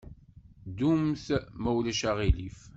Ddumt, ma ulac aɣilif.